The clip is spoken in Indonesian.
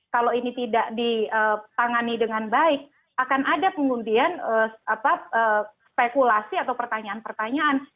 kalau ini tidak ditangani dengan baik akan ada pengundian spekulasi atau pertanyaan pertanyaan